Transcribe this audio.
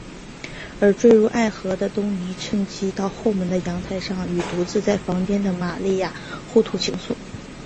而坠入爱河的东尼趁机到后门的阳台上与独自在房间的玛利亚互吐情愫。